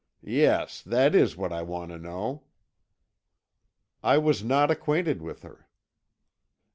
"Yes, that is what I want to know." "I was not acquainted with her."